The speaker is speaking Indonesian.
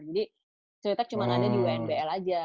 jadi siretex cuma ada di unbl aja